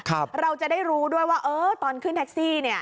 เราจะได้รู้ด้วยว่าเออตอนขึ้นแท็กซี่เนี่ย